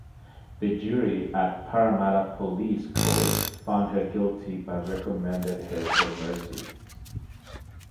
The jury at Parramatta Police Court found her guilty but recommended her for mercy.